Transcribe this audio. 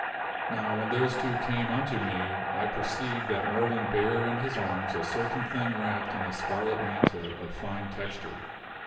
"Now when those two came unto me, I perceived that Merlin bare in his arms a certain thing wrapped in a scarlet mantle of fine texture.